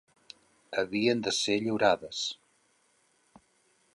... havien de ser lliurades